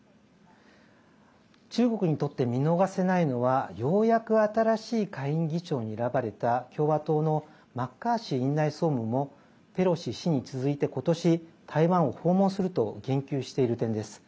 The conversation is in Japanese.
中国にとって見逃せないのはようやく新しい下院議長に選ばれた共和党のマッカーシー院内総務もペロシ氏に続いて今年、台湾を訪問すると言及している点です。